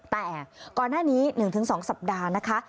แต่ก่อนหน้านี้๑๒สัปดาห์นะคะ